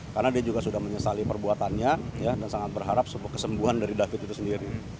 karena dia juga sudah menyesali perbuatannya dan sangat berharap kesembuhan dari david itu sendiri